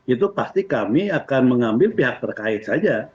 itu pasti kami akan mengambil pihak terkait saja